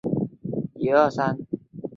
穆利桑人口变化图示